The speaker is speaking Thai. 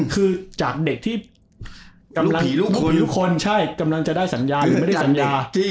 คือจากเด็กที่กำลังคนใช่กำลังจะได้สัญญาหรือไม่ได้สัญญา